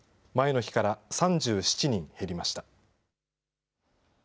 前の日から３７人減りました。